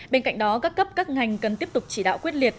bên cạnh đó các cấp các ngành cần tiếp tục chỉ đạo quyết liệt